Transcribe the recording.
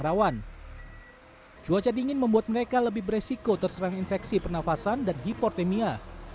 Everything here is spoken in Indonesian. rawan cuaca dingin membuat mereka lebih beresiko terserang infeksi pernafasan dan hiportemia